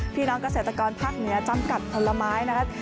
พี่น้องเกษตรกรภาคเหนือจำกัดผลไม้นะครับ